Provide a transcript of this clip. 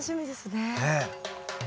ねえ。